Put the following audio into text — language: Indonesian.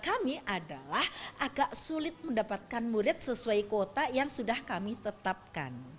yang paling penting adalah agak sulit mendapatkan murid sesuai kuota yang sudah kami tetapkan